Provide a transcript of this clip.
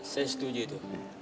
saya setuju itu